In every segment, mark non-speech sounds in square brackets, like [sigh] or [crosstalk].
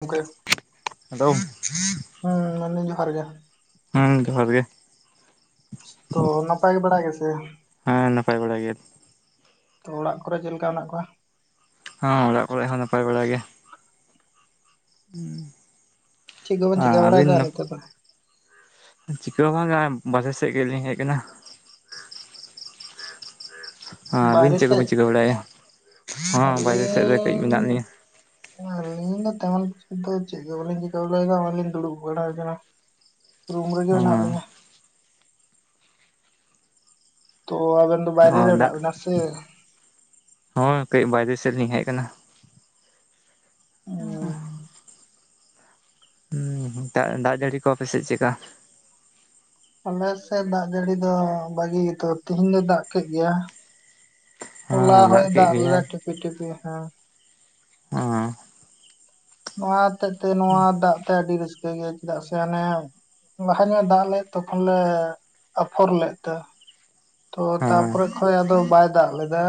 ᱜᱚᱝᱠᱮ ᱦᱮᱞᱳ ᱦᱩᱸᱢ ᱢᱮᱱᱫᱟᱹᱧ ᱡᱚᱦᱟᱨ ᱜᱮ ᱦᱩᱢ ᱡᱚᱦᱟᱨ ᱜᱮ ᱛᱚ ᱱᱟᱯᱟᱭ ᱵᱟᱲᱟ ᱜᱮ ᱥᱮ ᱦᱮᱸ ᱱᱟᱯᱟᱭ ᱵᱟᱲᱟ ᱜᱮ ᱛᱚ ᱚᱲᱟᱜ ᱠᱚᱨᱮ ᱪᱮᱫ ᱞᱮᱠᱟ ᱢᱮᱱᱟᱜ ᱠᱚᱣᱟ ᱦᱚ ᱚᱲᱟᱜ ᱠᱚᱨᱮ ᱦᱚᱸ ᱱᱟᱯᱟᱭ ᱵᱟᱲᱟ ᱜᱮ ᱪᱮᱫ ᱠᱚᱵᱮᱱ ᱩ ᱟ ᱪᱤᱠᱟᱹ ᱟᱵᱤᱱ ᱵᱟᱲᱟᱭᱮᱫᱟ ᱱᱤᱛᱚᱜ ᱫᱚ ᱪᱤᱠᱟᱹ ᱦᱚ ᱵᱟᱝ ᱜᱮ ᱱᱟᱜᱟᱭ ᱵᱟᱦᱨᱮ ᱥᱮᱫ ᱜᱮᱞᱤᱧ ᱦᱮᱡ ᱟᱠᱟᱱᱟ ᱟᱹᱵᱤᱱ ᱵᱟᱦᱨᱮ ᱪᱮᱫ ᱠᱚᱵᱤᱱ ᱥᱮᱡ ᱪᱤᱠᱟᱹ ᱵᱟᱲᱟᱭᱮᱫᱼᱟ ᱦᱚᱸ ᱵᱟᱭᱨᱮ ᱥᱮᱫ ᱨᱮ ᱠᱟᱹᱡ ᱢᱮᱱᱟᱜ ᱟᱞᱤᱧ ᱞᱤᱧᱟᱹ ᱟᱞᱤᱧ ᱫᱚ ᱛᱮᱢᱚᱱ ᱠᱤᱪᱷᱩ ᱫᱚ ᱪᱮᱫ ᱜᱮ ᱵᱟᱞᱤᱧ ᱪᱤᱠᱟᱹ ᱵᱟᱲᱟᱭ ᱫᱟ ᱱᱚᱜᱚᱭ ᱞᱤᱧ ᱫᱩᱲᱩᱵ ᱵᱟᱲᱟᱭ ᱠᱟᱱᱟ ᱨᱩᱢ ᱨᱮᱜᱮ ᱢᱮᱱᱟᱜ ᱞᱤᱧᱟ ᱦᱚᱸ ᱛᱚ ᱟᱵᱮᱱ ᱫᱚ ᱵᱟᱭᱨᱮ ᱚ ᱨᱮ ᱢᱮᱱᱟᱜ ᱫᱟᱜ ᱵᱮᱱᱟ ᱥᱮ ᱦᱚ ᱠᱟᱹᱡ ᱵᱟᱭᱨᱮ ᱥᱮᱫ ᱞᱤᱧ ᱦᱮᱡ ᱟᱠᱟᱱᱟ ᱩᱸ ᱦᱩᱸ ᱦᱩᱸ ᱫᱟᱜ ᱡᱟᱹᱲᱤ ᱠᱚ ᱟᱯᱮᱥᱮᱜ ᱪᱮᱫᱠᱟ ᱟᱞᱮ ᱥᱮᱫ ᱫᱟᱜ ᱡᱟᱹᱲᱤ ᱫᱚ ᱵᱟᱜᱤ ᱩᱛᱟᱹᱨ ᱛᱤᱦᱤᱧ ᱫᱚ ᱫᱟᱜ ᱠᱮᱫ ᱜᱮᱭᱟ ᱦᱚᱞᱟ ᱦᱮᱸ ᱦᱚᱸᱭ ᱠᱮᱫ ᱫᱟᱜ ᱞᱮᱫᱟ ᱜᱮᱭᱟᱭ ᱴᱤᱯᱤ ᱴᱤᱯᱤ ᱦᱮᱸ ᱦᱮ ᱱᱚᱣᱟ ᱦᱚᱛᱮᱜ ᱛᱮ ᱱᱚᱣᱟ ᱫᱟᱜ ᱛᱮ ᱟᱹᱰᱤ ᱨᱟᱹᱥᱠᱟᱹ ᱜᱮ ᱪᱮᱫᱟᱜ ᱥᱮ ᱚᱱᱮ ᱞᱟᱦᱟ ᱧᱚᱜᱮ ᱫᱟᱜ ᱞᱮᱫ ᱛᱚᱠᱷᱚᱱ ᱞᱮ ᱟᱯᱷᱚᱨ ᱞᱮᱫ ᱛᱮ ᱛᱚ ᱦᱮᱸ ᱛᱟᱯᱚᱨᱮ ᱠᱷᱡ ᱟᱫᱚ ᱵᱟᱭ ᱫᱟᱜ ᱞᱮᱫᱟ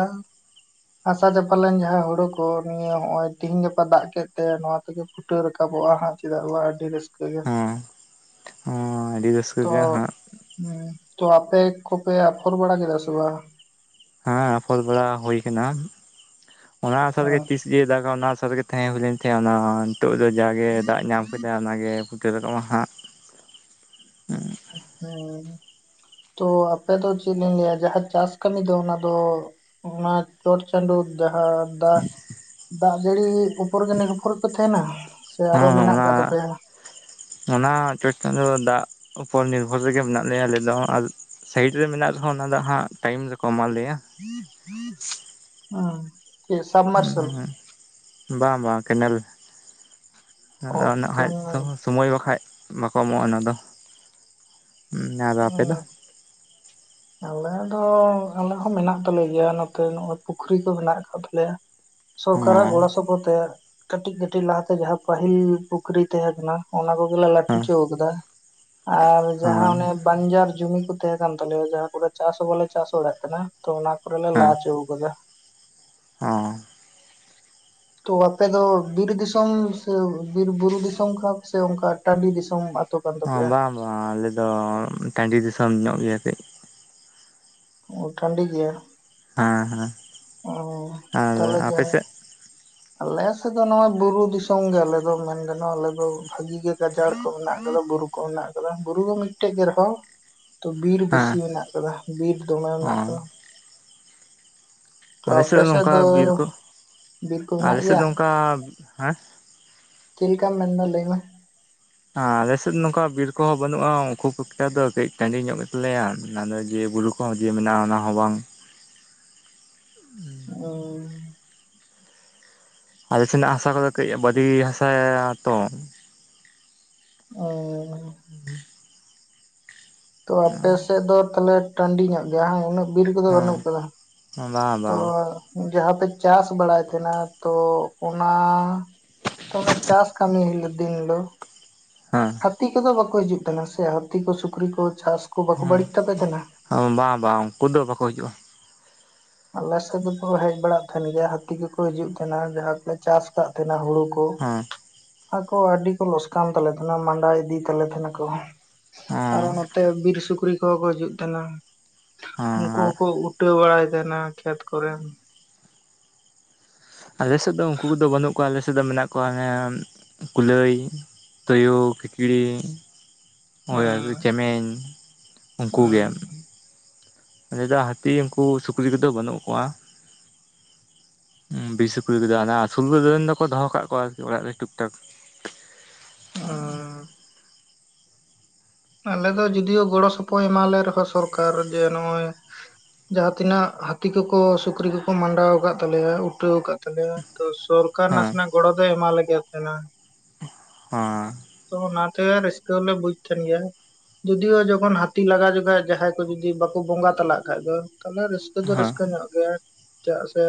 ᱦᱟᱥᱟ ᱪᱟᱯᱟᱞ ᱞᱮᱱ ᱡᱟᱦᱟᱸ ᱦᱩᱲᱩ ᱠᱚ ᱱᱤᱭᱟᱹ ᱱᱚᱜᱚᱭ ᱛᱤᱦᱤᱧ ᱜᱟᱯᱟ ᱫᱟᱜ ᱠᱮᱫ ᱛᱮ ᱱᱚᱣᱟ ᱛᱮᱜᱮ ᱯᱷᱩᱴᱟᱹ ᱨᱟᱠᱟᱵᱚᱜᱼᱟ ᱦᱟᱸᱜ ᱪᱮᱫᱟᱜ ᱵᱟᱝ ᱟᱰᱤ ᱨᱟᱹᱥᱠᱟᱹ ᱭᱟ ᱦᱮᱸ ᱦᱮᱸ ᱟᱹᱰᱤ ᱨᱟᱹᱥᱠᱟᱹ ᱛᱚ ᱜᱮ ᱦᱟᱸᱜ ᱦᱩ ᱛᱚ ᱟᱯᱮ ᱠᱚᱯᱮ ᱚᱯᱷᱚᱨ ᱵᱟᱲᱟ ᱠᱮᱫᱟ ᱥᱮ ᱵᱟ ᱦᱮᱸ ᱯᱷᱚᱞ ᱵᱟᱲᱟ ᱦᱩᱭ ᱠᱟᱱᱟ ᱚᱱᱟ ᱟᱥᱟ ᱦᱮᱸ ᱨᱮᱜᱮ ᱛᱤᱥ ᱡᱮᱭ ᱫᱟᱜᱟ ᱚᱱᱟ ᱟᱥᱟ ᱨᱮᱜᱮ ᱛᱟᱦᱮᱸ ᱦᱩᱭ ᱞᱮᱱ ᱛᱟᱦᱮᱸᱫ ᱚᱱᱟ ᱱᱤᱛᱚᱜ ᱫᱚ ᱡᱟᱜᱮ ᱫᱟᱜ ᱧᱟᱢ ᱠᱮᱫᱟᱭ ᱚᱱᱟᱜᱮ ᱯᱷᱩᱴᱟᱹ ᱨᱟᱠᱟᱵ ᱟ ᱦᱟᱸᱜ ᱦᱚᱭ ᱛᱚ ᱟᱯᱮ ᱫᱚ ᱪᱮᱫ ᱞᱤᱧ ᱞᱟᱹᱭᱟ ᱡᱟᱦᱟ ᱪᱟᱥ ᱠᱟᱹᱢᱤ ᱫᱚ ᱚᱱᱟ ᱫᱚ ᱚᱱᱟ ᱪᱚᱴ ᱪᱟᱸᱫᱚ ᱡᱟᱦᱟ ᱫᱟᱜ ᱫᱟᱜ ᱡᱟᱹᱲᱤ ᱩᱯᱚᱨ ᱜᱮ ᱱᱤᱨᱵᱷᱚᱨ ᱯᱮ ᱛᱟᱸᱦᱮᱱᱟ᱾ ᱦᱮᱸ ᱚᱱᱟ ᱚᱱᱟ ᱪᱚᱴ ᱪᱟᱸᱫᱚ ᱫᱟᱜ ᱩᱯᱚᱨ ᱱᱤᱨᱵᱷᱚᱨ ᱨᱮᱜᱮ ᱢᱮᱱᱟᱜ ᱞᱮᱭᱟ ᱟᱞᱮ ᱫᱚ ᱦᱟᱸᱜ᱾ ᱥᱟᱭᱤᱴ ᱨᱮ ᱢᱮᱱᱟᱜ ᱨᱮᱦᱚᱸ ᱚᱱᱟ ᱫᱚ ᱦᱟᱸᱜ ᱴᱟᱭᱤᱢ ᱨᱮᱠᱚ ᱮᱢᱟ ᱞᱮᱭᱟ᱾ [unintelligible] ᱥᱟᱵᱢᱟᱨᱥᱟᱞ ᱵᱟᱝ ᱵᱟᱝ ᱠᱮᱱᱮᱞ᱾ ᱟᱫᱚ ᱳᱠᱮ ᱠᱷᱟᱡ ᱫᱚ ᱥᱚᱢᱚᱭ ᱵᱟᱠᱷᱟᱡ ᱵᱟᱠᱚ ᱮᱢᱚᱜᱼᱟ ᱚᱱᱟ ᱫᱚ᱾ ᱟᱨ ᱟᱯᱮ ᱫᱚ [unintelligible] ᱟᱞᱮ ᱫᱚ ᱟᱞᱮ ᱦᱚᱸ ᱢᱮᱱᱟᱜ ᱛᱟᱞᱮ ᱜᱮᱭᱟ ᱱᱚᱛᱮ ᱱᱚᱜᱚᱭ ᱯᱩᱠᱷᱨᱤ ᱠᱚ ᱢᱮᱱᱟᱜ ᱟᱠᱟᱫ ᱛᱟᱞᱮᱭᱟ᱾ ᱥᱚᱨᱠᱟᱨᱟᱜ ᱦᱚᱸ ᱜᱚᱲᱚ ᱥᱚᱯᱚᱫ ᱛᱮ᱾ ᱠᱟᱹᱴᱤᱡ ᱠᱟᱹᱴᱤᱡ ᱞᱟᱦᱟᱛᱮ ᱡᱟᱦᱟᱸ ᱯᱟᱹᱦᱤᱞ ᱯᱩᱠᱷᱨᱤ ᱛᱟᱦᱮᱸ ᱠᱟᱱᱟ ᱚᱱᱟ ᱠᱚᱜᱮ ᱞᱮ ᱞᱟᱹᱴᱩ ᱦᱮᱸ ᱚᱪᱚ ᱟᱠᱟᱫᱟ᱾ ᱟᱨ ᱡᱟᱦᱟ ᱦᱮᱸ ᱚᱱᱮ ᱵᱟᱧᱡᱟᱨ ᱡᱩᱢᱤ ᱠᱚ ᱛᱟᱦᱮᱸ ᱠᱟᱱ ᱛᱟᱞᱮᱭᱟ ᱡᱟᱦᱟᱸ ᱠᱚᱨᱮ ᱪᱟᱥ ᱦᱚᱸ ᱵᱟᱞᱮ ᱪᱟᱥ ᱵᱟᱲᱟ ᱮᱫ ᱠᱟᱱᱟ ᱛᱚ ᱚᱱᱟ ᱠᱚᱨᱮ ᱞᱮ ᱞᱟ ᱦᱮᱸ ᱦᱚᱪᱚ ᱟᱠᱟᱫᱟ᱾ ᱦᱚᱸ ᱛᱚ ᱟᱯᱮ ᱫᱚ ᱵᱤᱨ ᱫᱤᱥᱚᱢ ᱥᱮ ᱵᱤᱨ ᱵᱩᱨᱩ ᱫᱤᱥᱚᱢ ᱠᱟᱱᱟ ᱯᱮ ᱥᱮ ᱚᱱᱠᱟ ᱴᱟᱺᱰᱤ ᱫᱤᱥᱚᱢ ᱠᱟᱱ ᱵᱟᱝ ᱛᱟᱯᱮᱭᱟ? ᱵᱟᱝ ᱟᱞᱮ ᱫᱚ ᱴᱟᱺᱰᱤ ᱫᱤᱥᱚᱢ ᱧᱚᱜ ᱜᱮᱭᱟ ᱠᱟᱹᱡ᱾ ᱳ ᱴᱟᱺᱰᱤ ᱜᱮᱭᱟ᱾ ᱦᱮᱸ ᱦᱮᱸ᱾ ᱚ ᱟᱨ ᱛᱟᱦᱚᱞᱮ ᱟᱯᱮ ᱡᱟᱭ ᱥᱮᱫ ᱟᱞᱮ ᱥᱮᱫ ᱫᱚ ᱱᱚᱜᱚᱭ ᱵᱩᱨᱩ ᱫᱤᱥᱚᱢ ᱜᱮ ᱟᱞᱮ ᱫᱚ ᱢᱮᱱ ᱜᱟᱱᱚᱜᱼᱟ ᱟᱞᱮ ᱫᱚ ᱵᱷᱟᱹᱜᱤ ᱜᱮ ᱜᱟᱡᱟᱲ ᱠᱚ ᱢᱮᱱᱟᱜ ᱟᱠᱟᱫᱟ ᱵᱩᱨᱩ ᱠᱚ ᱢᱮᱱᱟᱜ ᱟᱠᱟᱫᱟ ᱵᱩᱨᱩ ᱫᱚ ᱢᱤᱫᱴᱮᱡ ᱜᱮ ᱨᱮᱸᱦᱚ᱾ ᱛᱚ ᱵᱤᱨ ᱦᱮᱸ ᱵᱮᱥᱤ ᱢᱮᱱᱟᱜ ᱟᱠᱟᱫᱟ ᱵᱤᱨ ᱫᱚᱢᱮ ᱢᱮᱱᱟᱜ ᱦᱚᱸ ᱟᱠᱟᱫᱟ᱾ ᱛᱚ ᱟᱞᱮ ᱟᱯᱮ ᱥᱮᱫ ᱱᱚᱝᱠᱟ ᱫᱚ ᱵᱤᱨ ᱠᱚ ᱵᱤᱨ ᱠᱚ ᱟᱞᱮ ᱢᱮᱱᱟᱜ ᱥᱮᱫ ᱜᱮᱭᱟ ᱫᱚ ᱱᱚᱝᱠᱟ ᱦᱮᱸ ᱪᱮᱫ ᱞᱮᱠᱟᱢ ᱢᱮᱱᱮᱫᱟ ᱞᱟᱹᱭ ᱢᱮ᱾ ᱟᱞᱮ ᱥᱮᱫ ᱱᱚᱝᱠᱟ ᱵᱤᱨ ᱠᱚᱦᱚ ᱵᱟᱹᱱᱩᱜᱼᱟ ᱠᱷᱩᱵ ᱮᱠᱴᱟ ᱫᱚ ᱠᱟᱹᱡ ᱴᱟᱺᱰᱤ ᱧᱚᱜ ᱜᱮ ᱛᱟᱞᱮᱭᱟ ᱚᱱᱟ ᱫᱚ ᱡᱮ ᱵᱩᱨᱩ ᱠᱚ ᱡᱮ ᱢᱮᱱᱟᱜᱼᱟ ᱚᱱᱟ ᱦᱚᱸ ᱵᱟᱝ ᱚ ᱟᱞᱮ ᱥᱮᱱᱟᱜ ᱦᱟᱸᱥᱟ ᱠᱚᱫᱚ ᱠᱟᱹᱡ ᱵᱟᱹᱞᱤ ᱦᱟᱸᱥᱟ ᱛᱚ᱾ ᱚ᱾ [unintelligible] ᱛᱚ ᱟᱯᱮ ᱥᱮᱫ ᱫᱚ ᱛᱟᱦᱚᱞᱮ ᱴᱟᱺᱰᱤ ᱧᱚᱜ ᱜᱮᱭᱟ ᱦᱮᱸ ᱩᱱᱟᱹᱜ ᱵᱤᱨ ᱠᱚᱫᱚ ᱵᱟᱹᱱᱩᱜ ᱦᱮᱸ ᱟᱠᱟᱫᱟ᱾ ᱵᱟᱝ ᱛᱚ ᱵᱟᱝ ᱡᱟᱦᱟ ᱯᱮ ᱪᱟᱥ ᱵᱟᱲᱟᱭ ᱛᱟᱦᱮᱸᱱᱟ ᱛᱚ ᱚᱱᱟ᱾ ᱛᱚ ᱢᱟᱱᱮ ᱪᱟᱥ ᱠᱟᱹᱢᱤ ᱦᱤᱞᱳᱜ ᱫᱤᱱ ᱫᱚ ᱦᱮᱸ᱾ ᱦᱟᱹᱛᱤ ᱠᱚᱫᱚ ᱵᱟᱠᱚ ᱦᱤᱡᱩᱜ ᱛᱟᱸᱦᱮᱱ ᱥᱮ ᱦᱟᱹᱛᱤ ᱠᱚ ᱥᱩᱠᱨᱤ ᱠᱚ ᱪᱟᱥ ᱠᱚ ᱵᱟᱠᱚ ᱵᱟᱹᱲᱤᱡ ᱛᱟᱯᱮ ᱛᱟᱸᱦᱮᱱᱟ? ᱵᱟᱝ ᱵᱟᱝ ᱩᱱᱠᱩ ᱫᱚ ᱵᱟᱠᱚ ᱦᱤᱡᱩᱜᱼᱟ᱾ ᱟᱞᱮ ᱥᱮᱫ ᱫᱚᱠᱚ ᱦᱮᱡ ᱵᱟᱲᱟᱜ ᱛᱟᱸᱦᱮᱱ ᱜᱮᱭᱟ ᱦᱟᱹᱛᱤ ᱠᱚᱠᱚ ᱦᱤᱡᱩᱜ ᱛᱟᱸᱦᱮᱱᱟ ᱡᱟᱦᱟᱸ ᱠᱚᱞᱮ ᱪᱟᱥ ᱠᱟᱫ ᱛᱟᱦᱮᱸᱱᱟ ᱦᱩᱲᱩ ᱠᱚ ᱦᱮᱸ ᱟᱠᱚ ᱟᱹᱰᱤ ᱠᱚ ᱞᱚᱥᱠᱟᱱ ᱛᱟᱞᱮ ᱛᱟᱸᱦᱮᱱᱟ ᱢᱟᱸᱰᱟ ᱤᱫᱤ ᱛᱟᱞᱮ ᱛᱟᱸᱦᱮᱱᱟ ᱠᱚ᱾ ᱟᱨ ᱦᱮᱸ ᱱᱚᱛᱮ ᱵᱤᱨ ᱥᱩᱠᱨᱤ ᱠᱚ ᱠᱚ ᱦᱤᱡᱩᱜ ᱛᱟᱸᱦᱮᱱᱟ ᱩᱱᱠᱩ ᱦᱮᱸ ᱦᱚᱸᱠᱚ ᱩᱴᱟᱹᱣ ᱵᱟᱲᱟᱭ ᱛᱟᱸᱦᱮᱱᱟ ᱠᱷᱮᱛ ᱠᱚᱨᱮ᱾ ᱟᱞᱮ ᱥᱮᱫ ᱫᱚ ᱩᱱᱠᱩ ᱠᱚᱫᱚ ᱵᱟᱹᱱᱩᱜ ᱠᱚᱣᱟ ᱟᱞᱮ ᱥᱮᱫ ᱫᱚ ᱢᱮᱱᱟᱜ ᱠᱚᱣᱟ ᱦᱮ ᱠᱩᱞᱟᱹᱭ, ᱛᱩᱭᱩ, ᱠᱷᱤᱠᱲᱤ, ᱳᱭ ᱪᱮᱢᱮᱧ ᱦᱩᱸ ᱩᱱᱠᱩᱜᱮ᱾ ᱟᱞᱮ ᱫᱚ ᱦᱟᱹᱛᱤ ᱩᱱᱠᱩ ᱥᱩᱠᱨᱤ ᱠᱚᱫᱚ ᱵᱟᱹᱱᱩᱜ ᱠᱚᱣᱟ᱾ ᱵᱤᱨ ᱥᱩᱠᱨᱤ ᱠᱚᱫᱚ ᱟᱫᱚ ᱟᱥᱩᱞ ᱨᱮᱱ ᱫᱚᱠᱚ ᱫᱚᱦᱚ ᱟᱠᱟᱜ ᱠᱚᱣᱟ ᱚᱲᱟᱜ ᱨᱮ ᱴᱩᱠ ᱴᱟᱠ᱾ ᱚ ᱟᱞᱮ ᱫᱚ ᱡᱚᱫᱤᱭᱳ ᱜᱚᱲᱚ ᱥᱚᱯᱚᱦᱚᱫ ᱮᱢᱟᱞᱮ ᱨᱮᱦᱚᱸ ᱥᱚᱨᱠᱟᱨ ᱡᱮ ᱱᱚᱜᱼᱚᱭ ᱡᱟᱦᱟᱸ ᱛᱤᱱᱟᱹᱜ ᱦᱟᱹᱛᱤ ᱠᱚᱠᱚ ᱥᱩᱠᱨᱤ ᱠᱚᱠᱚ ᱢᱟᱰᱟᱣ ᱟᱠᱟᱫ ᱛᱟᱞᱮᱭᱟ ᱩᱴᱟᱹᱣ ᱟᱠᱟᱫ ᱛᱟᱞᱮᱭᱟ ᱛᱚ ᱥᱚᱨᱠᱟᱨ ᱦᱮᱸ ᱱᱟᱥᱮᱱᱟᱜ ᱜᱚᱲᱚ ᱫᱚᱭ ᱮᱢᱟᱣ ᱞᱮᱜᱮ ᱛᱟᱦᱮᱸᱱᱟ ᱦᱚᱸ ᱛᱚ ᱚᱱᱟᱛᱮ ᱨᱟᱹᱥᱠᱟᱹ ᱦᱚᱸᱞᱮ ᱵᱩᱡ ᱛᱟᱦᱮᱱ ᱜᱮᱭᱟ᱾ ᱡᱩᱫᱤᱭᱳ ᱡᱚᱠᱷᱚᱱ ᱦᱟᱹᱛᱤ ᱞᱟᱜᱟ ᱡᱚᱠᱷᱟᱡ ᱡᱟᱦᱟᱸᱭ ᱠᱚ ᱡᱩᱫᱤ ᱵᱟᱠᱚ ᱵᱚᱸᱜᱟ ᱛᱟᱞᱟᱜ ᱠᱷᱟᱱ ᱫᱚ ᱛᱟᱦᱚᱞᱮ ᱨᱟᱹᱥᱠᱟᱹ ᱫᱚ ᱦᱮᱸ ᱨᱟᱹᱥᱠᱟᱹ ᱧᱚᱜ ᱜᱮᱭᱟ ᱪᱮᱫᱟᱜ ᱥᱮ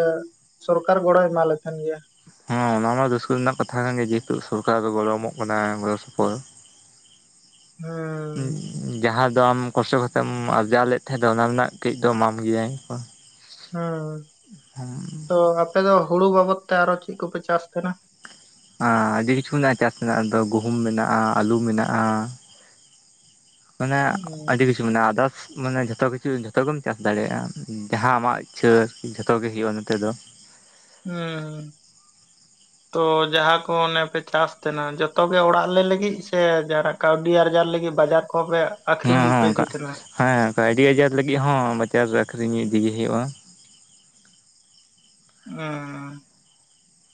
ᱥᱚᱨᱠᱟᱨ ᱜᱚᱲᱚᱭ ᱮᱢᱟᱞᱮ ᱛᱟᱦᱮᱱ ᱜᱮᱭᱟ᱾ ᱦᱮᱸ ᱚᱱᱟ ᱢᱟ ᱨᱟᱹᱥᱠᱟᱹ ᱨᱮᱱᱟᱜ ᱠᱟᱛᱷᱟ ᱠᱟᱱ ᱜᱮᱭᱟ ᱡᱮᱦᱮᱛᱩ ᱥᱚᱨᱠᱟᱨ ᱫᱚ ᱜᱚᱲᱚ ᱮᱢᱚᱜ ᱠᱟᱱᱟᱭ ᱜᱚᱲᱚ ᱥᱚᱯᱚᱦᱚᱫ ᱦᱚᱸᱻ ᱡᱟᱦᱟᱸ ᱫᱚ ᱟᱢ ᱠᱚᱥᱴᱚ ᱠᱟᱛᱮᱢ ᱟᱨᱡᱟᱣ ᱞᱮᱫ ᱛᱟᱦᱮᱸ ᱫᱚ ᱚᱱᱟ ᱨᱮᱱᱟᱜ ᱠᱟᱹᱡ ᱫᱚ ᱮᱢᱟᱢ ᱜᱮᱭᱟᱭ ᱦᱚᱸ ᱛᱚ ᱟᱯᱮ ᱫᱚ ᱦᱳᱲᱳ ᱵᱟᱵᱚᱛ ᱛᱮ ᱟᱨ ᱦᱚᱸ ᱪᱮᱫ ᱠᱚᱯᱮ ᱪᱟᱥ ᱠᱟᱱᱟ ᱟ ᱟᱹᱰᱤ ᱠᱤᱪᱷᱩ ᱢᱮᱱᱟᱜᱼᱟ ᱪᱟᱥ ᱛᱮᱱᱟᱜᱼᱟ ᱫᱚ ᱜᱩᱦᱩᱢ ᱢᱮᱱᱟᱜᱼᱟ ᱟᱹᱞᱩ ᱢᱮᱱᱟᱜᱼᱟ᱾ ᱢᱟᱱᱮ ᱦᱩᱸ ᱟᱹᱰᱤ ᱠᱤᱪᱷᱩ ᱢᱮᱱᱟᱜᱼᱟ ᱟᱫᱨᱟᱥ ᱢᱟᱱᱮ ᱡᱷᱚᱛᱚ ᱠᱤᱪᱷᱩ ᱡᱷᱚᱛᱚᱜᱮᱢ ᱪᱟᱥ ᱫᱟᱲᱮᱭᱟᱜᱼᱟ᱾ ᱡᱟᱦᱟᱸ ᱟᱢᱟᱜ ᱤᱪᱪᱷᱟᱹ ᱡᱷᱚᱛᱚ ᱜᱮ ᱦᱳᱭᱳᱜᱼᱟ ᱱᱚᱛᱮ ᱫᱚ ᱦᱚᱸ ᱛᱚ ᱡᱟᱦᱟᱸ ᱠᱚ ᱚᱱᱮᱯᱮ ᱪᱟᱥ ᱛᱟᱦᱮᱱᱟ ᱡᱚᱛᱚ ᱜᱮ ᱚᱲᱟᱜ ᱞᱮ ᱞᱟᱹᱜᱤᱫ ᱥᱮ ᱡᱟᱨᱟᱜ ᱠᱟᱹᱣᱰᱤ ᱟᱨᱡᱟᱨ ᱞᱟᱹᱜᱤᱫ ᱵᱟᱡᱟᱨ ᱠᱚᱦᱚᱸ ᱯᱮ ᱦᱮᱸ ᱟᱠᱷᱨᱤᱧ ᱞᱟᱹᱜᱤᱫ ᱦᱮᱸ ᱯᱮ ᱚᱱᱠᱟ ᱤᱫᱤ ᱛᱟᱦᱮᱫᱟ᱾ ᱦᱮᱸ ᱠᱟᱹᱣᱰᱤ ᱟᱡᱟᱨ ᱞᱟᱹᱜᱤᱫ ᱦᱚᱸ ᱵᱟᱡᱟᱨ ᱟᱠᱷᱨᱤᱧ ᱤᱫᱤ ᱦᱳᱭᱳᱜᱼᱟ᱾ ᱚᱸᱻ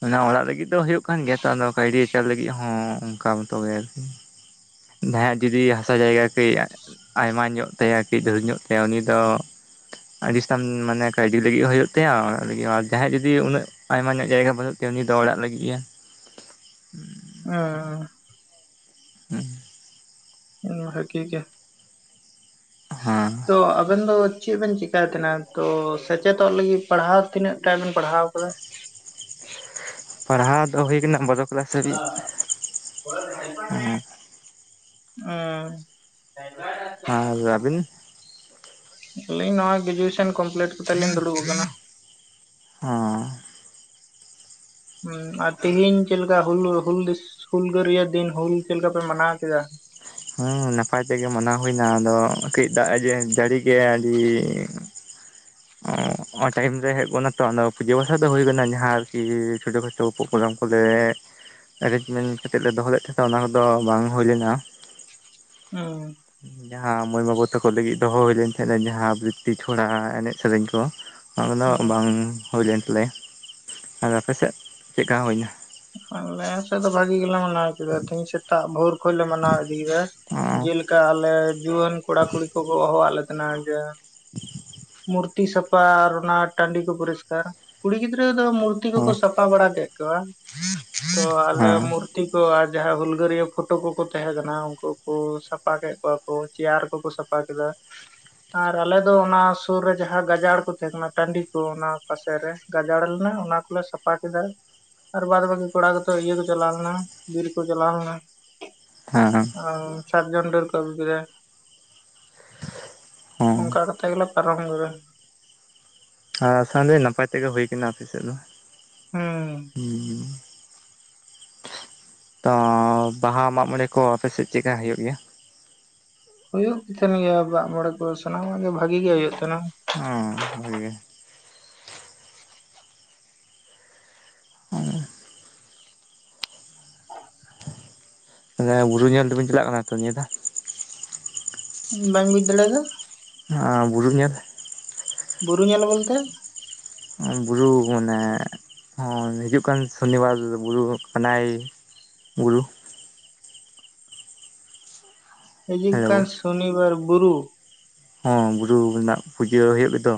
ᱚᱱᱟ ᱚᱲᱟᱜ ᱞᱟᱹᱜᱤᱫ ᱫᱚ ᱦᱳᱭᱳᱜ ᱠᱟᱱ ᱜᱮᱭᱟ ᱛᱚ ᱟᱫᱚ ᱠᱟᱭᱰᱤ ᱟᱪᱟᱨ ᱞᱟᱹᱜᱤᱫ ᱦᱚᱸ ᱚᱱᱠᱟ ᱢᱚᱛᱚᱜ ᱜᱮ ᱟᱨᱠᱤ ᱡᱟᱦᱟᱭᱟᱜ ᱡᱩᱫᱤ ᱦᱟᱥᱟ ᱡᱟᱭᱜᱟ ᱠᱟᱹᱡ ᱟᱭᱢᱟ ᱧᱚᱜ ᱛᱟᱭᱟ [unintelligible] ᱧᱚᱜ ᱛᱟᱭᱟ ᱩᱱᱤ ᱫᱚ ᱟᱹᱰᱤ ᱛᱟᱱ ᱢᱟᱱᱮ ᱠᱟᱹᱣᱰᱤ ᱞᱟᱹᱜᱤᱫ [unintelligible] ᱢᱟᱱᱮ ᱠᱟᱹᱣᱰᱤ ᱞᱟᱹᱜᱤᱫ ᱦᱩᱭᱩᱜ ᱛᱟᱭᱟ ᱟᱨ ᱚᱲᱟᱜ ᱞᱟᱹᱜᱤᱫ ᱦᱚᱸ ᱟᱨ ᱡᱟᱦᱟᱸᱭᱟᱜ ᱡᱩᱫᱤ ᱩᱱᱟᱹᱜ ᱟᱭᱢᱟ ᱧᱚᱜ ᱡᱟᱭᱜᱟ ᱵᱟᱹᱱᱩᱜ ᱛᱟᱭᱟ ᱩᱱᱤ ᱫᱚ ᱚᱲᱟᱜ ᱞᱟᱹᱜᱤᱫ ᱜᱮ᱾ ᱚᱸᱻ ᱦᱸ ᱦᱸ ᱵᱷᱟᱹᱜᱤ ᱜᱮᱭᱟ᱾ ᱦᱮᱸ ᱛᱚ ᱟᱵᱮᱱ ᱫᱚ ᱪᱮᱫ ᱵᱮᱱ ᱪᱮᱠᱟᱭ ᱛᱟᱦᱮᱸᱦᱱᱟ ᱛᱚ ᱥᱮᱪᱮᱫᱚᱜ ᱞᱟᱹᱜᱤᱫ ᱯᱟᱲᱦᱟᱣ ᱛᱤᱱᱟᱹᱜ ᱴᱟᱜ ᱵᱤᱱ ᱯᱟᱲᱦᱟᱣ ᱟᱠᱟᱫᱟ᱾ ᱯᱟᱲᱦᱟᱣ ᱫᱚ ᱦᱩᱭ ᱠᱟᱱᱟ ᱵᱟᱨᱚ [unintelligible] ᱦ ᱦ [inaudible] ᱩᱸ ᱟᱨ ᱟᱹᱵᱤᱱ [unintelligible] ᱟᱞᱤᱧ ᱱᱚᱜᱚᱣ ᱜᱮᱡᱩᱮᱥᱮᱱ [unintelligible] ᱦᱸ ᱦᱸ ᱟᱨ ᱛᱦᱤᱧ ᱪᱮᱫᱠᱟ ᱦᱩᱞ ᱦᱩᱞ [unintelligible] ᱦᱩᱞᱜᱟᱹᱨᱭ ᱫᱤᱱ ᱦᱩᱞ ᱪᱮᱫ ᱞᱮᱠᱟ ᱯᱮ ᱢᱟᱱᱟᱣ ᱠᱮᱫᱟ? ᱦᱚᱸ ᱱᱟᱯᱟᱭ ᱛᱮᱜᱮ ᱢᱟᱱᱟᱣ ᱦᱩᱭᱱᱟ ᱟᱫᱚ ᱠᱟᱹᱡ ᱫᱟᱜ ᱡᱟᱹᱲᱤ ᱜᱮ [unintelligible] ᱟᱹᱰᱤ ᱚᱴᱟᱭᱤᱢ ᱨᱮ ᱦᱮᱡ ᱜᱚᱫᱱᱟ ᱛᱚ ᱟᱫᱚ ᱯᱩᱡᱟᱹ ᱯᱟᱥᱟ ᱫᱚ ᱦᱳᱭ ᱜᱚᱫᱱᱟ ᱡᱟᱦᱟᱸ ᱟᱨᱠᱤ ᱪᱷᱳᱴᱳ ᱠᱷᱟᱴᱚ ᱯᱳᱜᱜᱨᱟᱢ ᱠᱚᱞᱮ ᱮᱨᱮᱧᱡᱽᱢᱮᱱᱴ ᱠᱟᱛᱮᱫ ᱞᱮ ᱫᱚᱦᱚ ᱞᱮᱫ ᱛᱟᱦᱮᱸᱟ ᱚᱱᱟ ᱠᱚᱫᱚ ᱵᱟᱝ ᱦᱳᱭ ᱞᱮᱱᱟ᱾ ᱦᱩᱸ ᱡᱟᱦᱟᱸ ᱢᱟᱹᱭ ᱵᱟᱹᱵᱩ ᱛᱟᱠᱚ ᱞᱟᱹᱜᱤᱫ ᱫᱚᱦᱚ ᱦᱩᱭ ᱞᱮᱱ ᱛᱟᱦᱮᱸᱱᱟ ᱡᱟᱦᱟᱸ ᱵᱨᱤᱛᱛᱤ ᱪᱷᱚᱲᱟ ᱮᱱᱮᱡ ᱥᱮᱨᱮᱧ ᱠᱚ ᱚᱱᱟ ᱠᱚᱫᱚ ᱦᱩᱸ ᱵᱟᱝ ᱦᱩᱭᱞᱮᱱ ᱛᱟᱞᱮᱭᱟ ᱟᱨ ᱟᱯᱮᱥᱮᱫ ᱪᱮᱫ ᱞᱮᱠᱟ ᱦᱳᱭᱱᱟ? ᱟᱞᱮ ᱥᱮᱫ ᱫᱚ ᱵᱷᱟᱜᱮ ᱜᱮ ᱞᱮ ᱢᱟᱱᱟᱣ ᱠᱮᱫᱟ ᱛᱮᱦᱮᱧ ᱥᱮᱛᱟᱜ ᱵᱷᱳᱨ ᱠᱷᱚᱡ ᱞᱮ ᱢᱟᱱᱟᱣ ᱤᱫᱤᱭᱟᱫᱟ ᱦᱮᱸ ᱡᱮᱞᱮᱠᱟ ᱟᱞᱮ ᱡᱩᱣᱟᱹᱱ ᱠᱚᱲᱟ ᱠᱩᱲᱤ ᱠᱚ ᱠᱚ ᱠᱚᱣᱟᱫ ᱞᱮ ᱛᱟᱦᱮᱫᱟ ᱡᱮ [inaudible] ᱢᱩᱨᱛᱤ ᱥᱟᱯᱷᱟ ᱟᱨ ᱚᱱᱟ ᱴᱟᱺᱰᱤ ᱠᱚ ᱯᱩᱨᱤᱥᱠᱟᱨ ᱠᱩᱲᱤ ᱜᱤᱫᱽᱨᱟᱹ ᱫᱚ ᱢᱩᱨᱛᱤ ᱠᱚᱠᱚ ᱥᱟᱯᱷ ᱯᱟ ᱵᱟᱲᱟ ᱠᱮᱫ ᱠᱚᱣᱟ᱾ ᱛᱚ ᱟᱞᱮ ᱦᱮᱸ ᱢᱩᱨᱛᱤ ᱠᱚ ᱟᱨ ᱡᱟᱦᱟᱭ ᱦᱩᱞᱜᱟᱹᱨᱭᱟᱹ ᱯᱷᱳᱴᱳ ᱠᱚᱠᱚ ᱛᱟᱦᱮᱸ ᱠᱟᱱᱟ ᱩᱱᱠᱩ ᱠᱚ ᱥᱟᱯᱟ ᱠᱮᱫ ᱠᱚᱣᱟ᱾ ᱚ ᱪᱮᱭᱟᱨ ᱠᱚᱠᱚ ᱥᱟᱯᱷᱟ ᱠᱮᱫᱟ᱾ ᱟᱨ ᱟᱞᱮ ᱫᱚ ᱚᱱᱟ ᱥᱩᱨ ᱨᱮ ᱡᱟᱦᱟᱸ ᱜᱟᱡᱟᱲ ᱠᱚ ᱛᱟᱦᱮᱸ ᱠᱟᱱᱟ ᱴᱟᱺᱰᱤ ᱠᱚ ᱚᱱᱟ ᱯᱟᱥᱮ ᱨᱮ ᱜᱟᱡᱟᱲ ᱞᱮᱱᱟ ᱚᱱᱟ ᱠᱚᱞᱮ ᱥᱟᱯᱷᱟ ᱠᱮᱫᱟ ᱟᱨ ᱵᱟᱫ ᱵᱟᱹᱠᱤ ᱠᱚᱲᱟ ᱠᱚᱫᱚ ᱤᱭᱟᱹ ᱠᱚ ᱪᱟᱞᱟᱣ ᱞᱮᱱᱟ ᱵᱤᱨ ᱠᱚ ᱪᱟᱞᱟᱣ ᱞᱮᱱᱟ ᱦᱮᱸ ᱥᱟᱨᱡᱚᱢ ᱰᱟᱨ ᱠᱚ ᱟᱜᱩ ᱠᱮᱫᱟ ᱦᱮᱸ ᱚᱱᱠᱟ ᱠᱟᱛᱮ ᱜᱮᱞᱟ ᱯᱟᱨᱚᱢ ᱠᱮᱫᱟ ᱟᱨ ᱟᱥ ᱫᱚ ᱱᱟᱯᱟᱭ ᱛᱮᱜᱮ ᱦᱩᱭ ᱠᱟᱱᱟ ᱟᱯᱮ ᱥᱮᱫ ᱫᱚ ᱦᱮᱸ ᱦᱮᱸ ᱛᱚ ᱵᱟᱦᱟ ᱢᱟᱜ ᱢᱚᱬᱮ ᱠᱚ ᱟᱯᱮ ᱥᱮᱫ ᱪᱮᱫᱞᱮᱠᱟ ᱦᱩᱭᱩᱜ ᱜᱮᱭᱟ ᱦᱩᱭᱩᱜ ᱛᱟᱦᱮᱱ ᱜᱮᱭᱟ ᱢᱟᱜ ᱢᱚᱲᱮ ᱠᱚ ᱥᱟᱱᱟᱢᱟᱜ ᱜᱮ ᱵᱷᱟᱜᱤ ᱜᱮ ᱦᱩᱭᱩᱜ ᱛᱟᱦᱮᱱᱟ ᱦᱮᱸ ᱵᱷᱟᱜᱮ ᱜᱮ ᱟᱨ ᱮ ᱵᱩᱨᱩ ᱧᱮᱞ ᱫᱚᱵᱤᱱ ᱪᱟᱞᱟᱜ ᱠᱟᱱᱟ ᱛᱚ ᱱᱤᱭᱟᱹ ᱫᱦᱟᱣ ᱵᱟᱧ ᱵᱩᱡ ᱫᱟᱲᱮᱭᱟᱫᱟ ᱵᱩᱨᱩᱩᱜ ᱧᱮᱞ ᱵᱩᱨᱩ ᱧᱮᱞ ᱵᱚᱞᱛᱮ ᱵᱩᱨᱩ ᱢᱟᱱᱮ ᱦᱚᱸ ᱦᱤᱡᱩᱜ ᱠᱟᱱ ᱥᱚᱱᱤᱵᱟᱨ ᱵᱩᱨᱩ ᱠᱟᱱᱟᱭ ᱵᱩᱨᱩ ᱦᱤᱡᱩᱜ ᱠᱟᱱ ᱦᱮᱞᱳ ᱥᱚᱱᱤᱵᱟᱨ ᱵᱩᱨᱩ ᱦᱚᱸ ᱵᱩᱨᱩ ᱨᱮᱱᱟᱜ ᱯᱩᱡᱟᱹ ᱦᱩᱭᱩᱜ ᱜᱮᱛᱚ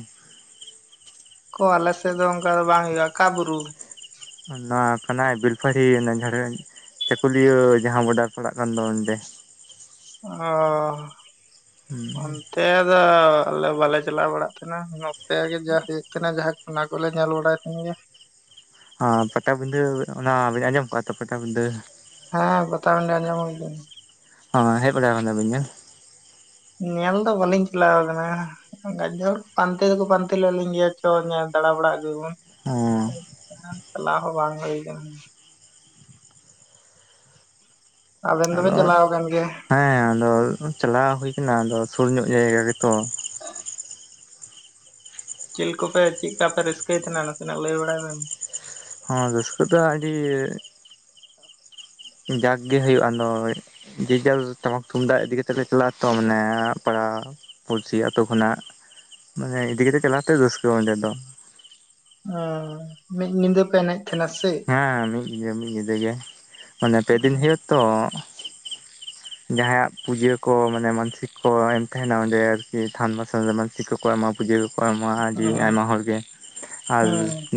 ᱠᱚ ᱟᱞᱮ ᱥᱮᱫ ᱫᱚ ᱚᱱᱠᱟ ᱫᱚ ᱵᱟᱝ ᱦᱩᱭᱩᱜᱼᱟ ᱚᱠᱟ ᱵᱩᱨᱩ ᱱᱚᱣᱟ ᱠᱟᱱᱟᱭ ᱵᱮᱞᱯᱟᱦᱟᱲᱤ ᱚᱱᱟ ᱡᱷᱟᱲᱜᱨᱟᱢ ᱪᱟᱹᱠᱩᱞᱤᱭᱟᱹ ᱡᱟᱦᱟᱸ ᱵᱚᱰᱟᱨ ᱯᱟᱲᱟᱜ ᱠᱟᱱ ᱫᱚ ᱚᱸᱰᱮ ᱚᱼᱦᱚ ᱚᱠᱛᱮ ᱫᱚ ᱟᱞᱮ ᱵᱟᱞᱮ ᱪᱟᱞᱟᱣ ᱵᱟᱲᱟᱜ ᱛᱟᱦᱮᱱᱟ ᱩᱱ ᱱᱚᱛᱮ ᱜᱮ ᱡᱟ ᱦᱩᱭᱩᱜ ᱛᱟᱦᱮ ᱡᱟᱦᱟᱸ ᱚᱱᱟ ᱠᱚᱞᱮ ᱧᱮᱞ ᱵᱟᱲᱟᱭ ᱛᱟᱦᱮᱱ ᱜᱮᱭᱟ ᱦᱚᱸ ᱯᱟᱴᱟᱵᱤᱸᱫᱷᱟᱹ ᱚᱱᱟ ᱵᱤᱱ ᱟᱸᱡᱚᱢ ᱠᱚᱜᱼᱟ ᱛᱚ ᱯᱟᱴᱟᱵᱤᱸᱫᱷᱟᱹ ᱦᱮᱸ ᱯᱟᱴᱟᱵᱤᱱᱫᱷᱟ. ᱟᱸᱡᱚᱢ ᱦᱩᱭ ᱦᱸ ᱦᱮᱡ ᱵᱟᱲᱟ ᱟᱠᱟᱱᱫᱟ ᱵᱤᱱ ᱪᱮ ᱧᱮᱞ ᱫᱚ ᱵᱟᱹᱞᱤᱧ ᱪᱞᱟᱣ ᱟᱠᱟᱱᱟ ᱜᱟᱡᱮ ᱦᱚᱲ ᱯᱟᱱᱛᱮ ᱫᱚᱠᱚ ᱯᱟᱱᱛᱮ ᱞᱮᱫ ᱞᱤᱧ ᱜᱮᱭᱟ ᱪᱚ ᱧᱮᱞ ᱫᱟᱬᱟ ᱵᱟᱲᱟ ᱟᱜᱩ ᱭᱟᱵᱚᱱ ᱪᱟᱞᱟᱣ ᱦᱚᱸ ᱵᱟᱝ ᱦᱩᱭ ᱟᱠᱟᱱᱟ ᱟᱵᱮᱱ ᱫᱚᱵᱮᱱ ᱟᱫᱚ ᱪᱟᱞᱟᱣ ᱟᱠᱟᱱ ᱜᱮᱭᱟ ᱦᱮᱸ ᱟᱫᱚ ᱪᱟᱞᱟᱣ ᱦᱩᱭ ᱟᱠᱟᱱᱟ ᱟᱫᱚ ᱥᱩᱨ ᱧᱚᱜ ᱡᱟᱭᱜᱟ ᱜᱮᱛᱚ ᱪᱮᱫ ᱠᱚᱯᱮ ᱪᱮᱫ ᱞᱮᱠᱟ ᱯᱮ ᱨᱟᱹᱥᱠᱟᱹᱭ ᱛᱟᱦᱮᱱᱟ ᱱᱟᱥᱮᱱᱟᱜ ᱞᱟᱹᱭ ᱵᱟᱲᱟᱭ ᱢᱮ ᱦᱚᱸ ᱨᱟᱹᱥᱠᱟᱹ ᱫᱚ ᱟᱹᱰᱤ ᱡᱟᱠ ᱜᱮ ᱦᱩᱭᱩᱜᱼᱟ ᱟᱫᱚ ᱡᱮ ᱡᱷᱟᱨ ᱴᱟᱢᱟᱠ ᱛᱩᱢᱫᱟᱜ ᱤᱫᱤ ᱠᱟᱛᱮᱜ ᱞᱮ ᱪᱟᱞᱟᱜᱼᱟ ᱛᱚ ᱢᱟᱱᱮ ᱯᱟᱲᱟᱣ ᱯᱩᱞᱥᱤ ᱟᱛᱳ ᱠᱷᱚᱱᱟᱜ ᱢᱟᱱᱮ ᱤᱫᱤ ᱠᱟᱛᱮᱜ ᱪᱟᱞᱟᱣ ᱠᱟᱛᱮ ᱨᱟᱹᱥᱠᱟᱹ ᱚᱸᱰᱮ ᱫᱚ ᱢᱤᱫ ᱧᱤᱫᱟᱹ ᱯᱮ ᱮᱱᱮᱡ ᱛᱟᱦᱮᱱᱟ ᱥᱮ ᱦᱮᱸ ᱢᱤᱫ ᱧᱤᱫᱟᱹ ᱢᱤᱫ ᱧᱤᱫᱟᱹ ᱜᱮ ᱢᱟᱱᱮ ᱯᱮᱫᱤᱱ ᱦᱩᱭᱩᱜᱼᱟ ᱛᱚ ᱡᱟᱦᱟᱸᱭᱟᱜ ᱯᱩᱡᱟᱹ ᱠᱚ ᱢᱟᱱᱮ ᱢᱟᱱᱥᱤᱠ ᱠᱚ ᱮᱢ ᱛᱟᱦᱮᱱᱟ ᱚᱸᱰᱮ ᱟᱨᱠᱤ ᱛᱷᱟᱱ ᱵᱟᱥᱟ ᱪᱤᱠ ᱠᱚᱠᱚ ᱮᱢᱟ ᱯᱩᱡᱟᱹ ᱠᱚᱠᱚ ᱮᱢᱟ ᱟᱹᱰᱤ ᱟᱭᱢᱟ ᱦᱚᱲ ᱜᱮ ᱟᱨ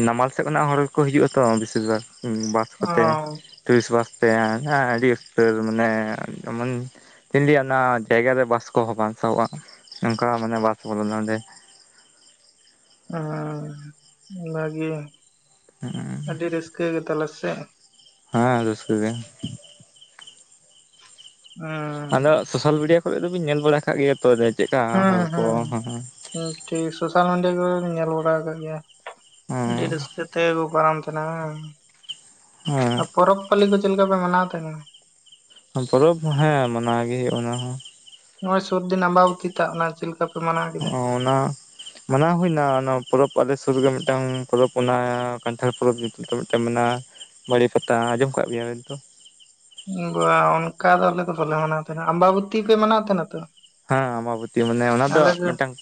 ᱱᱟᱢᱟᱞ ᱥᱮᱫ ᱠᱷᱚᱱᱟᱜ ᱦᱚᱲᱠᱚ ᱦᱤᱡᱩᱜᱼᱟ ᱛᱚ ᱵᱮᱥᱤ ᱵᱷᱟᱜᱽ ᱵᱟᱥ ᱠᱚᱛᱮ ᱴᱩᱨᱤᱥᱴ ᱵᱟᱥᱛᱮ ᱟᱹᱰᱤ ᱩᱥᱛᱟᱹᱨ ᱢᱟᱱᱮ ᱡᱮᱢᱚᱱ ᱪᱤᱞᱤᱭᱟᱜ ᱚᱱᱟ ᱡᱟᱭᱜᱟ ᱨᱮ ᱵᱟᱥ ᱠᱚᱦᱚᱸ ᱵᱟᱝ ᱥᱟᱦᱚᱵᱼᱟ ᱚᱱᱠᱟ ᱢᱟᱱᱮ ᱵᱟᱥ ᱵᱚᱞᱚᱱᱟ ᱚᱸᱰᱮ ᱚ ᱵᱷᱟᱜᱮ ᱟᱹᱰᱤ ᱨᱟᱹᱥᱠᱟᱹ ᱜᱮᱛᱟᱞᱟ ᱥᱮ ᱦᱮᱸ ᱨᱟ. ᱥᱠᱟ. ᱜᱮ ᱦᱮᱸ ᱟᱫᱚ ᱥᱳᱥᱟᱞ ᱢᱤᱰᱤᱭᱟ ᱠᱚᱨᱮ ᱫᱚᱵᱤᱱ ᱧᱮᱞ ᱵᱟᱲᱟ ᱟᱠᱟᱫ ᱜᱮᱭᱟ ᱛᱚ ᱪᱮᱫᱠᱟ ᱦᱚᱲ ᱦᱮᱸ ᱠᱚ ᱦᱮᱸ ᱴᱷᱤᱠ ᱥᱳᱥᱟᱞ ᱢᱤᱰᱤᱭᱟ ᱠᱚᱨᱮᱧ ᱧᱮᱞ ᱵᱟᱲᱟ ᱟᱠᱟᱫ ᱜᱮᱭᱟ ᱟᱹᱰᱤ ᱨᱟᱹᱥᱠᱟᱹ [unintelligible] ᱯᱟᱨᱛᱮ ᱯᱚᱨᱚᱵᱽ ᱯᱟᱞᱞᱤ ᱠᱚ ᱪᱮᱫ ᱞᱮᱠᱟ ᱯᱮ ᱢᱟᱱᱟᱣ ᱛᱟᱦᱮᱸᱱᱟ ᱯᱚᱨᱚᱵ ᱦᱮᱸ ᱢᱟᱱᱟᱣ ᱜᱮ ᱦᱩᱭᱩᱜ ᱚᱱᱟ ᱦᱚ ᱱᱚᱜᱼᱚᱭ ᱥᱩᱨᱫᱤᱱ ᱟᱵᱟᱵᱩᱛᱤ ᱛᱟᱜ ᱱᱟ ᱪᱮᱫ ᱞᱮᱠᱟ ᱯᱮ ᱢᱟᱱᱟᱣ ᱠᱮᱫᱟ? ᱚᱱᱟ ᱢᱟᱱᱟᱣ ᱦᱩᱭᱱᱟ ᱚᱱᱟ ᱯᱚᱨᱚᱵᱽ ᱟᱞᱮ ᱥᱩᱨ ᱨᱮ ᱢᱤᱫᱴᱟᱝ ᱯᱚᱨᱚᱵᱽ ᱚᱱᱟ ᱠᱟᱱᱴᱷᱟᱲ ᱯᱚᱨᱚᱵ ᱢᱤᱫᱴᱟᱝ ᱢᱮᱱᱟᱜᱼᱟ ᱵᱟᱹᱲᱮ ᱯᱟᱛᱟ ᱟᱸᱡᱚᱢ ᱟᱠᱟᱫ ᱜᱮᱭᱟ ᱫᱚ ᱵᱟ ᱚᱱᱠᱟ ᱫᱚ ᱟᱞᱮ ᱫᱚ ᱵᱟᱞᱮ ᱢᱟᱱᱟᱣ ᱛᱟᱦᱮᱸᱱᱟ ᱟᱢᱵᱟᱵᱚᱛᱤ ᱯᱮ ᱢᱟᱱᱟᱣ ᱛᱟᱦᱮᱸᱱᱟ ᱛᱚ ᱦᱮᱸ ᱟᱢᱟᱵᱚᱛᱤ ᱢᱟᱱᱮ ᱚᱱᱟ ᱫᱚ ᱢᱤᱫᱴᱟᱝ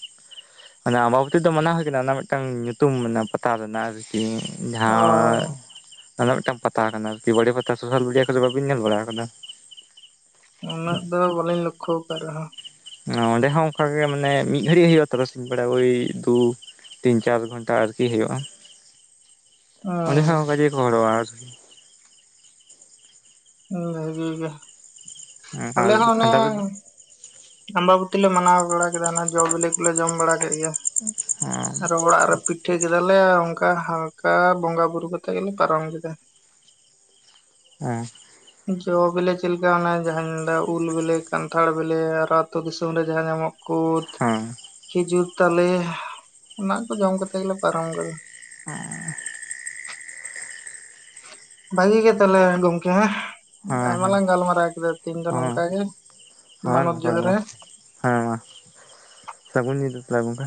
ᱚᱱᱟᱮ ᱟᱢᱵᱟᱵᱟᱚᱛᱤ ᱫᱚ ᱢᱟᱱᱟᱣ ᱦᱩᱭ ᱟᱠᱟᱱᱟ ᱚᱱᱟ ᱢᱤᱫᱴᱟᱝ ᱧᱩᱛᱩᱢ ᱯᱟᱛᱟᱣ ᱨᱮᱱᱟᱜ ᱟᱨᱠᱤ ᱡᱟᱦᱟ ᱚ ᱚᱱᱟ ᱢᱤᱫᱴᱟᱝ ᱯᱟᱛᱟ ᱠᱟᱱᱟ ᱟᱨᱠᱤ ᱵᱟᱹᱲᱮ ᱯᱟᱛᱟ ᱥᱳᱥᱟᱞ ᱢᱤᱰᱤᱭᱟ ᱠᱚᱨᱮ ᱵᱟᱵᱤᱱ ᱧᱮᱞ ᱵᱟᱲᱟ ᱟᱠᱟᱫᱟ ᱩᱱᱟᱹᱜ ᱫᱚ ᱵᱚᱞᱮᱧ ᱞᱚᱠᱠᱷᱚ ᱟᱠᱟ ᱨᱮᱦᱚᱸ ᱚᱸᱰᱮ ᱦᱚᱸ ᱚᱱᱠᱟᱜ ᱜᱮ ᱢᱟᱱᱮ ᱢᱤᱫ ᱜᱷᱟᱟᱹᱲᱤᱡ ᱦᱩᱭᱩᱜ ᱛᱟᱨᱟᱥᱤᱧ ᱵᱮᱲᱟ ᱳᱭ ᱫᱩ ᱛᱤᱱ ᱪᱟᱨ ᱜᱷᱚᱱᱴᱟ ᱟᱨᱠᱤ ᱦᱩᱭᱩᱜᱼᱟ ᱚᱸᱰᱮ ᱦᱚᱸ ᱚᱱᱠᱟ ᱜᱮᱠᱚ ᱦᱚᱲᱚᱜᱼᱟ ᱟᱨᱠᱤ ᱵᱷᱟᱹᱜᱮ ᱜᱮᱭᱟ ᱟᱨ ᱟᱞᱮ ᱦᱚᱸ ᱠᱷᱟᱸᱰᱟ ᱫᱚ ᱚᱱᱮ ᱟᱢᱵᱟᱵᱚᱛᱤ ᱞᱮ ᱢᱟᱱᱟᱣ ᱵᱟᱲᱟ ᱠᱮᱫᱟ ᱡᱚ ᱵᱤᱞᱤ ᱠᱚᱞᱮ ᱡᱚᱢ ᱵᱟᱲᱟ ᱠᱮᱫᱟ ᱟᱭᱟ ᱦᱮᱸ ᱟᱨ ᱨ ᱚᱲ ᱟᱨ ᱯ [unintelligible] ᱯᱤᱴᱷᱟᱹ ᱠᱮᱫᱟᱞᱮ ᱚᱱᱠᱟ ᱦᱟᱞᱠᱟ ᱵᱚᱸᱜᱟ ᱵᱩᱨᱩ ᱠᱟᱛᱮ ᱜᱮᱞᱮ ᱯᱟᱨᱚᱢ ᱠᱮᱫᱟ ᱦᱮᱸ ᱡᱚ ᱵᱤᱞᱤ ᱪᱮᱫᱞᱮᱠᱟ ᱚᱱᱟᱮ ᱡᱟᱦᱟᱸᱧ ᱢᱮᱱᱫᱟ ᱩᱞ ᱵᱤᱞᱮ ᱠᱟᱱᱴᱟᱲ ᱵᱮᱞᱮ ᱟᱨᱚ ᱟᱛᱳ ᱫᱤᱥᱚᱢ ᱨᱮ ᱡᱟᱦᱟᱸ ᱧᱟᱢᱚᱜ ᱠᱟᱱᱟ ᱠᱩᱫ ᱠᱷᱤᱡᱩᱨ ᱛᱟᱞᱮ ᱚᱱᱟ ᱠᱚ ᱡᱚᱢ ᱠᱟᱛᱮ ᱜᱮᱞᱮ ᱯᱟᱨᱚᱢ ᱠᱟᱫᱟ ᱚ ᱵᱷᱟᱹᱜᱤ ᱜᱮ ᱛᱟᱦᱚᱞᱮ ᱜᱚᱢᱠᱮ ᱦᱮᱸ ᱦᱮᱸ ᱟᱭᱢᱟ ᱦᱮᱸ ᱞᱟᱝ ᱜᱟᱞᱢᱟᱨᱟᱣ ᱠᱮᱫᱟ ᱛᱮᱦᱮᱧ ᱫᱚ ᱦᱮᱸ ᱱᱚᱝᱠᱟ ᱜᱮ ᱦᱮᱸ ᱢᱟᱱᱚᱛ ᱱᱚᱝᱠᱟ ᱜᱮ ᱡᱚᱦᱟᱨ ᱢᱟ ᱦᱮᱸ ᱦᱮᱸ ᱥᱟᱹᱜᱩᱱ ᱧᱤᱫᱟᱹ ᱛᱟᱦᱚᱞᱮ